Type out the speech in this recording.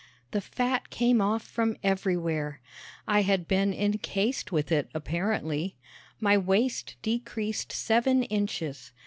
The fat came off from everywhere. I had been incased with it apparently. My waist decreased seven inches.